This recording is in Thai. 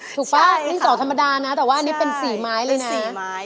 ถูกป่ะดินสอดธรรมดานะแต่ว่าอันนี้เป็น๔ไม้เลยนะ